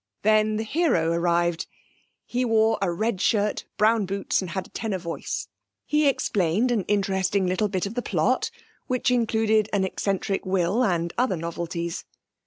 Then the hero arrived. He wore a red shirt, brown boots, and had a tenor voice. He explained an interesting little bit of the plot, which included an eccentric will and other novelties.